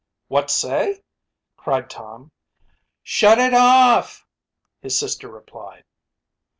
"What say?" cried Tom. "Shut it off," his sister replied.